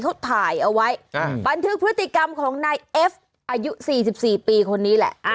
เขาถ่ายเอาไว้บันทึกพฤติกรรมของนายเอฟอายุ๔๔ปีคนนี้แหละ